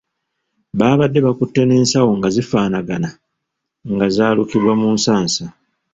Baabadde bakutte n'ensawo nga zifaanagana nga zaalukibwa mu nsansa.